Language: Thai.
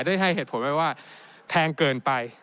ได้ให้เหตุผลไว้ว่าแพงเกินไป